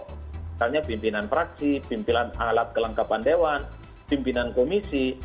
misalnya pimpinan fraksi pimpinan alat kelengkapan dewan pimpinan komisi